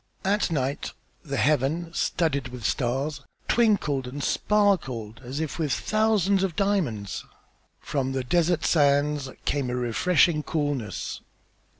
At night the heaven, studded with stars, twinkled and sparkled as if with thousands of diamonds. From the desert sands came a refreshing coolness.